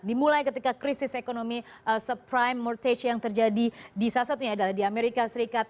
dimulai ketika krisis ekonomi subrime mortage yang terjadi di salah satunya adalah di amerika serikat